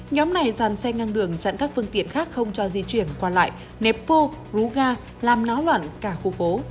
nhóm này dàn xe ngang đường chặn các phương tiện khác không cho di chuyển qua lại nẹp bô rú ga làm náo loạn cả khu phố